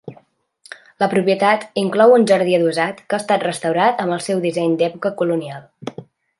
La propietat inclou un jardí adossat que ha estat restaurat amb el seu disseny d'època colonial.